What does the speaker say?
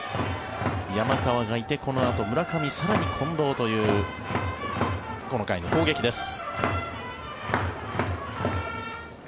山川がいて、このあと村上更に近藤というこの回の攻撃です。